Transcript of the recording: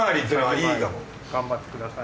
頑張ってください。